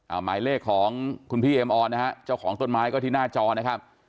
หมายเลขของคุณพี่เอ็มออนนะฮะเจ้าของต้นไม้ก็ที่หน้าจอนะครับ